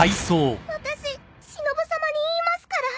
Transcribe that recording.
私しのぶさまに言いますから。